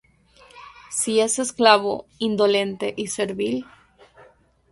Si es esclavo, indolente y servil,